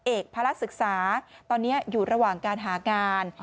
เอกพระลักษณ์ศึกษาตอนนี้อยู่ระหว่างการหาการ